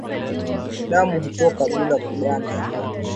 damu hutoka bila kuganda